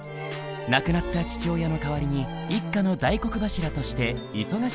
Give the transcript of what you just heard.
亡くなった父親の代わりに一家の大黒柱として忙しい日々を送っていた。